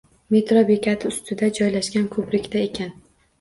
Metro bekati ustida joylashgan ko‘prikda ekan